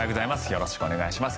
よろしくお願いします。